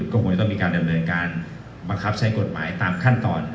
ก็คงจะต้องมีการดำเนินการบังคับใช้กฎหมายตามขั้นตอน